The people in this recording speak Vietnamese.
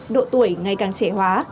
độ tuổi ngay càng trẻ hóa